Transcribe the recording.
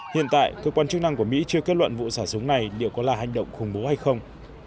hiện tại cơ quan chức năng của mỹ chưa kết luận vụ xả súng này liệu có là hành động khủng bố hay không